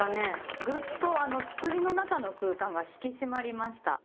グッとつくりの中の空間が引き締まりました。